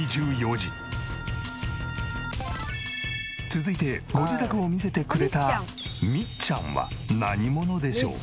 続いてご自宅を見せてくれたみっちゃんは何者でしょう？